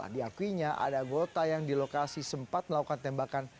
diakuinya ada anggota yang di lokasi sempat melakukan tembakan